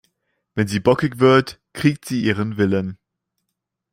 Wenn sie bockig wird, kriegt sie ihren Willen.